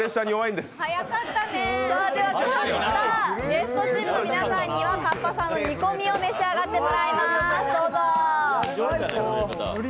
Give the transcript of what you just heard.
では、ゲストチームの皆さんにはかっぱさんの煮込みを召し上がっていただきます。